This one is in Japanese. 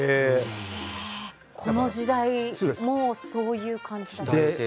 この時代、もうそういう感じだったんですね。